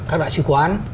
các đại sứ quán